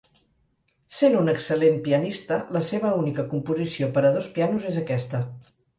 Sent un excel·lent pianista la seva única composició per a dos pianos és aquesta.